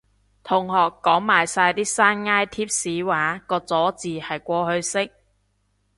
同學講埋晒啲山埃貼士話個咗字係過去式